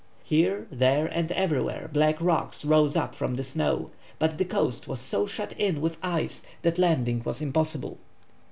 Here, there, and everywhere, black rocks rose up from the snow, but the coast was so shut in with ice that landing was impossible.